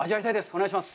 お願いします！